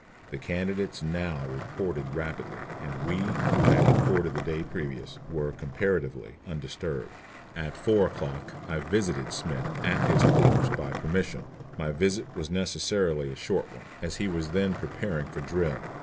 The candidates now reported rapidly, and we, who had reported the day previous, were comparatively undisturbed. At four o'clock I visited Smith at his quarters by permission. My visit was necessarily a short one, as he was then preparing for drill.